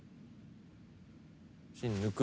芯抜く。